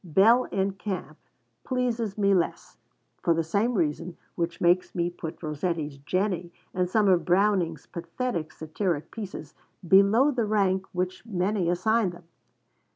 'Bell in Camp' pleases me less, for the same reason which makes me put Rossetti's 'Jenny,' and some of Browning's pathetic satiric pieces, below the rank which many assign them.